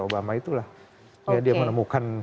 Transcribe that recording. obama itulah dia menemukan